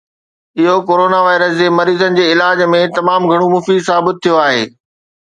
اهو corona virus جي مريضن جي علاج ۾ تمام گهڻو مفيد ثابت ٿيو آهي